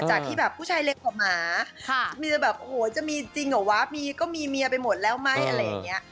จากที่แบบผู้ชายเล็กกว่าหมาเมียแบบโอ้โหจะมีจริงเหรอวะมีก็มีเมียไปหมดแล้วไหมอะไรอย่างนี้